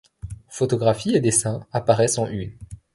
Photographies et dessins apparaissent en une.